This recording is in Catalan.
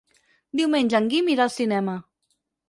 Diumenge en Guim irà al cinema.